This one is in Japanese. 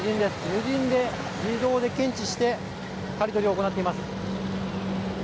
無人で自動で検知して刈り取りを行っています。